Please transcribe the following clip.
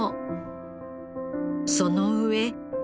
その上。